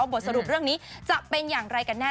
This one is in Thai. บทสรุปเรื่องนี้จะเป็นอย่างไรกันแน่